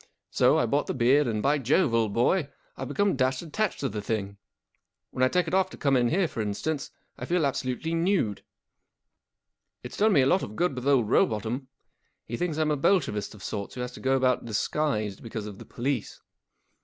So I bought the beard, and, by Jove, old boy, I've become dashed attached to the thing. WTten I take it off to come in here, for instance, I feel absolutely nude. It's done me a lot of good with offl Rowbotham. He thinks I'm a Bolshevist of sorts who has to go about disguised because of the police.